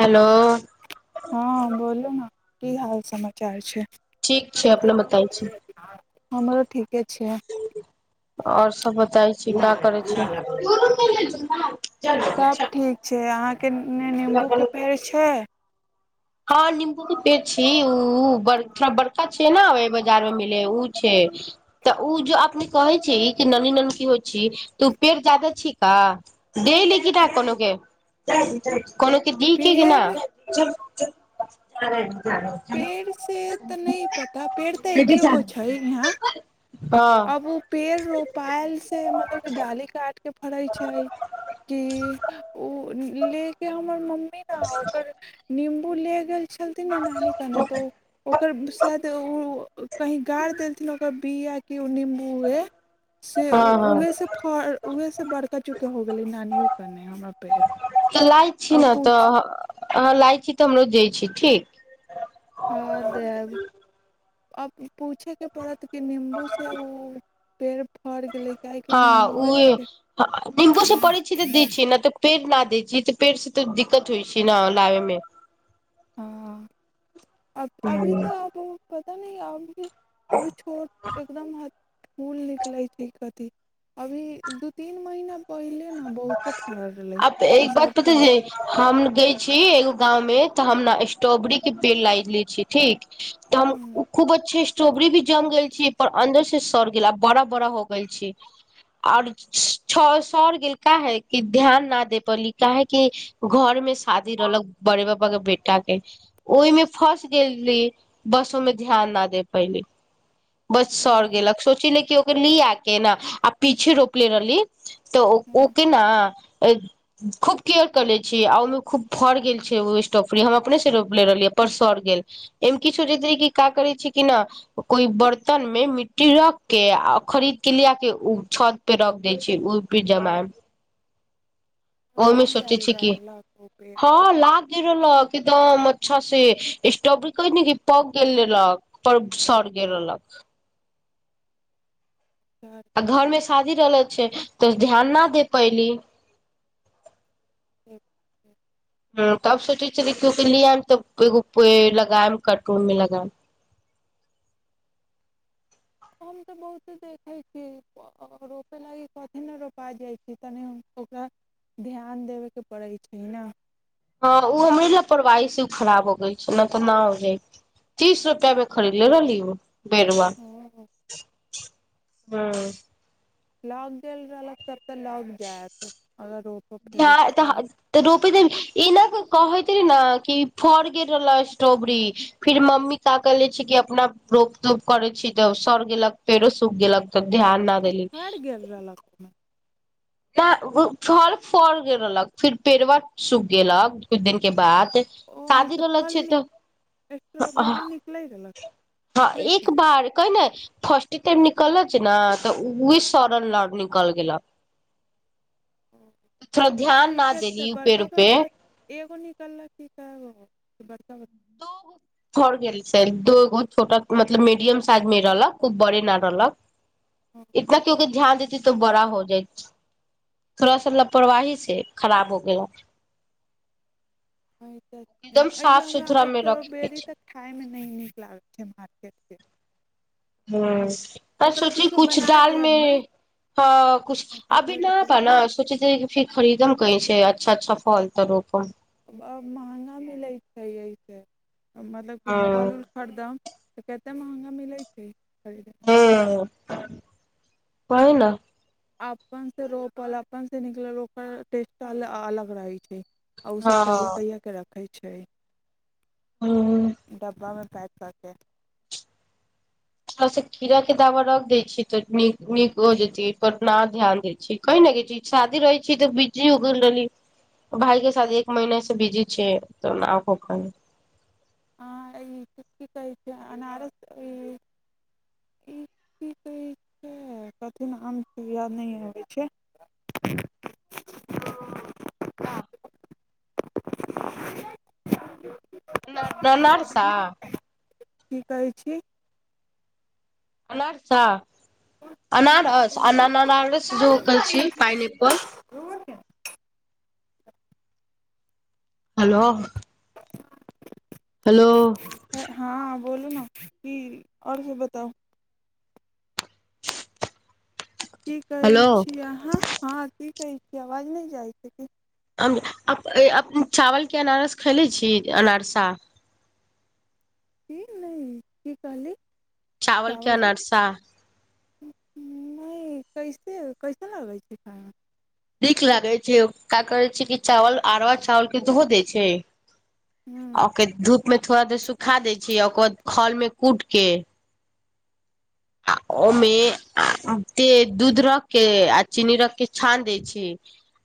hello हँ बोलू ने की हाल समाचार छै ठीक छै अपने बताय छी हमरो ठीके छै आओर सभ बतै छी का करै छी सब ठीक छै अहाँके एने नीम्बूके पेड़ छै हँ नीम्बू के पेड़ छी ऊ बड़का थोड़ा बड़का छै ने बाजार मे मिले ओ छै तऽ ओ जो अपने कहै छै कि ननी नानकी होइ छै तऽ ओ पेड़ ज्यादा छी का देय लेय कि ना कोनो के कोनो के दी कि की ना पेड़ पेड़ से तऽ नहि पता पेड़ तऽ एकेगो छै यहा हाॅं पेड़ रोपायल से मतलब डाली काट के फड़ै छै कि ओ ले हमर मम्मी ने ओकर निम्बू ले गेल छलथिन न नानी कहने तऽ ओकर शायद ओ कही गाड़ देलथिन ओकर बिया के ओ नीम्बूए से हँ हँ उहे से फड़ उहे से बड़का चूका हो गेले नानियो के ने हमरा पेड़ लाए छी अब ने पूछा तऽ हँ लाए छी तऽ हमरो दै छी ठीक हँ देब आब पूछैके पड़त कि निम्बूसे उ पेड़ फर गेलै कि हँ निम्बूए उहे लेके निम्बू से पड़ै छी तऽ दै छी ने तऽ पेड़ ना दै छी तऽ पेड़ से तऽ दिक्कत होइ छै ने लाबे मे हँ अब अभी हूँ तऽ अब पता नहि अभी अभी छोट एकदम ह फूल निकलैत छै कथी अभी दू तीन महिना पहिले ने बहुते फड़लै आब फेर एक बात सब पता तऽ छै हम गय छी एगो गाँंव मे तऽ हम ने स्ट्रोबेरी के पेड़ लाय ले छी ठीक तऽ हम हम्म, खूब अच्छे स्ट्रोबेरी भी जम गेल छी पर अंन्दर से सड़ गेल आ बड़ा बड़ा हो गेल छी आओर सर गेल काहे कि ध्यान ना दे पयली काहे कि घर मे शादी रहलक बड़े पापा के बेटा के ओहिमे फस गेल बस ओय मे ध्यान न दे पैली बस सर ओ गेलक सोची ले कि ओकनी आ केऽ नऽ आ पीछे रोपले रहली तऽ ओ ओ हम्म, के ना खूब केयर केयले छी आ ओहिमे खूब फर गेल छै ओ स्टॉफरी हम अपने से रोपले रहलियै पर सर गेल एम किछै जे कि का करै छै कि ना कोई बर्तन मे मिट्टी रख के आ खरीद के लेऽ या केऽ उ छत पे रख दैय छिये उऽ पिज्जा मैम ओहिमे लाग सोचै गेल छिये कि रहलक ओ हँ लाग के रहलक एकदम अच्छा से स्ट्रबरी कहे न की पक गेल रहलक पर सर गेल रहलक चार आ घर मे शादी रहलो छै तऽ ध्यान न दे पैली [unintelligible] ह तब सोचे छलि की आके लेऽ आइम तब एगो पेड़ लगाइम करटून मे लगाइम हम तऽ बहुते देखैत छी रोपय लागि कथि न रोपा जाइ छी तनि ओकरा ध्यान देबे के पड़ै छै न हँ ओ हमरे लापरवाही से खराब हो गेल छै ना तऽ न हो जाए तीस रुपआ मे खरीदले रहली उ बेरुआ हँ लाग गेल रहलक तब तऽ लाग जायत अगर ओ घ्या तहः [unintelligible] तऽ रोपै दिन एना के कहैत रहि न कि फर गेल रहल स्ट्रबेरी फिर मम्मी ताक ले छी कि अपना रोप तोप करे छी तऽ सड़ गेलक पेड़ो सूख गेलक तऽ ध्यान ना तऽ फर गेल रहलक ओह मऽ तऽ उऽ फल फड़ गेल रहलक फिर पेड़वा सूख गेलक कुछ दिन के बाद ओहिमे शादी से रहलक फल छै तऽ स्ट्रॉबेरी [unintelligible] निकलै रहलक हँ निकलै एक छलक बार कै न फर्स्ट टाइम निकल लच न तऽ उहे सरल लऽ निकल गेलक थोड़ा तऽ ध्यान फल न केे त देली उ पेड़ बड़का पे बड़का एगो निकल लक की कै गो हइ की बड़का बड़का दो गो फड़ गेल छै दूगो छोटा मतलब मीडियम साइज मे रहलक खूब बड़े न रहलक इतना क्यो के ध्यान देती तो बड़ा हो जाइ थोड़ा सा लापरवाही से खराब हो गेलड [unintelligible] एकदम एहिसँ साफ सुथरा हमरा मे रखे के स्ट्रॉबेरी छै तऽ खाइमे नइ नीक लागै छै मार्केटके हु त ओकरा सोची कुछो कुछ बना दाल मे देब ने हाँ कुछ अभी चॉकलेट न बा उकलेट न सोचे तानी की कुछ फिर खरीदम कैसे अच्छा अच्छा फल तऽ रोपब आब महँगा मिलैत छै एहिसे मतलब की हँ फल उल खरदम तऽ कते महँगा मिलै छै खरीदे हँ कहु ना अपन से रोपल अपन से निकलल ओकर टेस्ट अलग रहै छै आ उ सब कहिया हँ कहिया के रखै छै हूँ डब्बा मे पैक कै के थोड़ा सा कीड़ा के दावा रख दैय छी तऽ नीक नीक हो जेते पर ना ध्यान देय छी कैही न एगे चीज शादी रहै छी तऽ बीजी हो गेल रहली भाइ के साथ एक महिने से बिजी छिये तऽ आ करनियो आ ई की कहै छै अनारस ई इ की कहै कथीमे आम सु य नहि आबै छै [inaudible] [unintelligible] न नरसा की कहै छी अनारसा अनारस अननारस जो कहै छी पाइन एप्पल [unintelligible] हेलो हेलो हाँ बोलू ना की और फिर बताउ की कहै हेलो छी अहाँ हाँ की कहै छी आवाज नहि जाइ छै की चावलके अनारस खैले छी अनारसा की नहि की कहली चावलके चावल के अनरसा नहि कैसे कैसन लागै छै खायमे नीक लागे छै का करै छै की चावल अरवा चावल के धो दै छै आ खायमे ओके धूप मे थोड़ा दे सुखा दै छै ओकर बाद खल मे कूट के ओमे दूध रख के आ चीनी रख के छान दै छी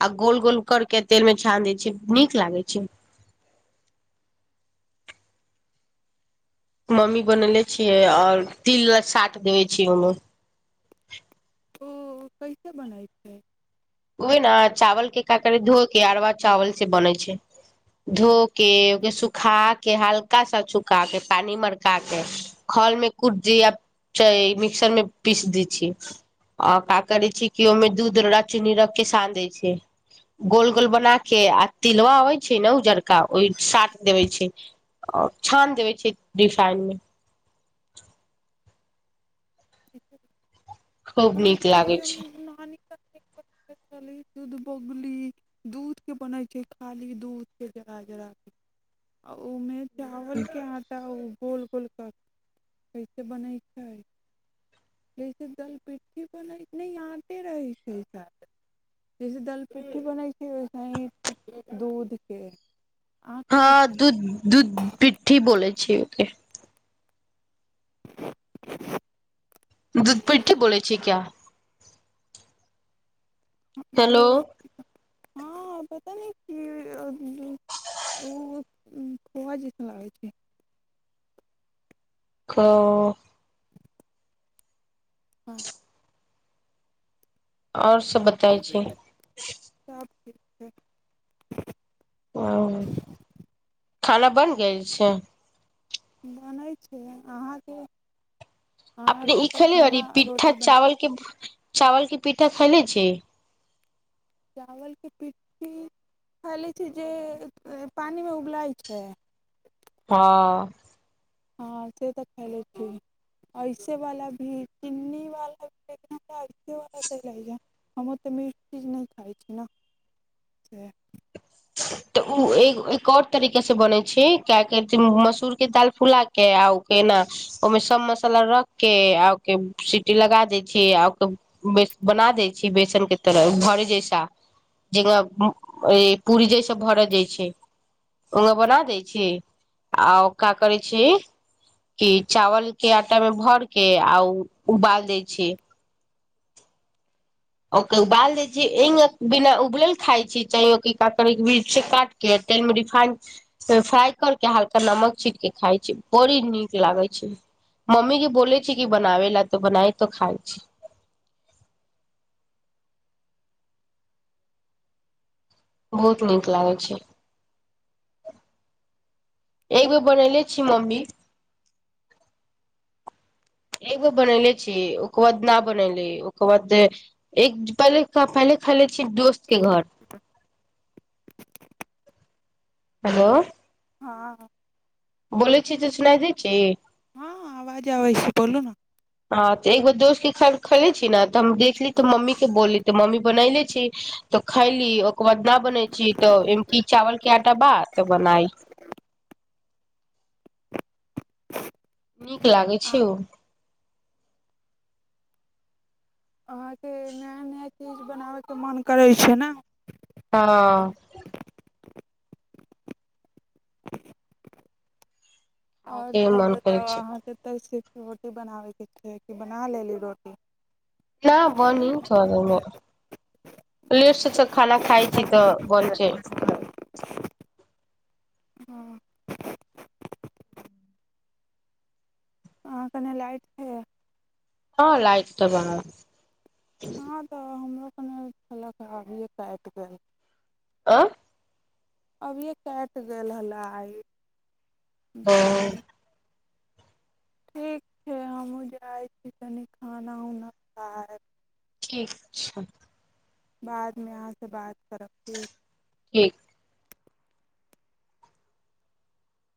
आ गोल गोल कर के तेल में छान दै छी नीक लागे छै मम्मी बनेले छियै ओर तिल वला साट देबे छियै ओमे ओ कैसे बनै छै ओ ने चावल के काक धोके अरवा चावल से बनै छै धो के सुखा के हल्का सा सुखा के पानी मड़का के खल मे कुटी आ मिक्सर मे पीस दी छियै अ का करे छी क ओहिमे दूध रख चीनी रख के सान दै छै गोल गोल बना के आ तिलवा अबै छै ने उजरका ओहि साट देबे छै छान देबे छै रिफाइन मे [unintelligible] खूब नीक कली लागे छै दुध बहली दूध के बनैत छै खाली दूध के जरा जरा के आ ओमे चावलके आटा ओ गोल गोल कऽ कैसे बनै छै जैसे दल पिट्ठी बनै नहि आटे रहै छै साथ जैसे दाल पिट्टी बनाै छै वैसैही दूध के अहाँ खैले हाँ छी दूध दूध पिट्ठी बोलै छी ओके दूधपिट्ठी बोलै छी क्या हो हेलो [inaudible] हाँ पता न क खोआ जैसन लागे छै [unintelligible] कऽ हँ और सब बत सब ठीक छै ओ खाना बनि गेल छै बनैत छै अहाँ के अपने ई खेले आर ई पिठ्ठा रोटी बना चावल के चावल के पिठ्ठा खैले छी चावल के पिट्ठी ख लै छी जे पानि में उबलाइ छै हाँ हाँ से तऽ खेलै छी ऐसे वाला भी चीनी वाला भी ऐसे वाला च जा हम ओतऽ मीठ चीज नहि खाइत छी ने से तऽ ओ एक एक और तरीका से बनै छै क मसूर के दाल फुला के के आउ केना ओहि मे सब मसाला रख के आ ओके सीटी लगा दै छै आ ओके बेस बना दै छी बेसन के तरह घरे जैसा जेना इ पूरी जइसे भरऽ देह छै उन बना दै छी आ ओ का करै छी की चावल के आटा मे भर के आ उबाल दय छी ओके उबाल देय छी इंग बिना उबालल खाय छी चाह ओ ककड़ के बिच काट के तेलमे रिफाइंड फ्राई कर के हलका नमक छीट के खाय छी बड़ी नीक लागे छै मम्मी जी बोल छै कि बनावे ले तऽ बनाय त खाय छी बहुत नीक लागै छै एकगो बनैले छी मम्मी एगो बनले छीय ओकर बाद न बनले ओकर बाद एक पहिले पहले खयले छी दोस्त के घर हेलो हाँ बोले छी तऽ सुना दै छी हाँ आवाज आबै छै बोलू ने हाँ तऽ एक बेर दोस्त के खेले छी ने तऽ हम देखली तऽ मम्मी के बोलली तऽ मम्मी बनाय ले छी तऽ खैली ओकर बाद ना बनै छी तऽ ओमे की चावल के आटा बा तऽ बनाइ नीक लागै आ छै ओ अहाँ के नया नया चीज बनाबय के मोन करैत छै ने हाँ और खायके सब मन करै बताउ छै अहाँ के तऽ स रोटी बनाबै के छै कि बना लेली रोटी ना बनी थोरा देर में लेट से तऽ खाना खाइ छी तऽ बन छै हाँ अहाँ कने लाइट छै हांँ लाइट तऽ रहै हँ तऽ हमरो कने कहल अभि ये कटि गेल ओ अभियए कटि गेल हला आइ देखियौ ठीक छै हमहुँ जाइत छी तनि खाना उना खाब ठीक छै बादमे अहाँसँ बात करबके ठीक